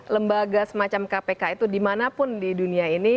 lembaga semacam kpk itu dimanapun di dunia ini